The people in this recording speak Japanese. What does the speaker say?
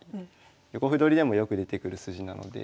横歩取りでもよく出てくる筋なので。